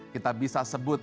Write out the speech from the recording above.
kita bisa sebut